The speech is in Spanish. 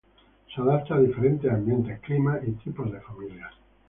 Se adapta a diferentes ambientes, climas y tipos de familias.